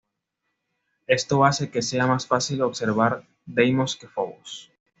Esto hace que sea más fácil observar Deimos que Fobos.